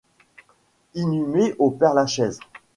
Inhumée au Père-Lachaise.